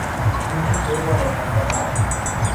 কিন্তু কে বলে হত্যা পাপ?